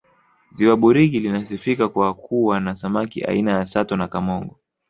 ziwa burigi linasifika kwa kuwa na samaki aina ya sato na kamongo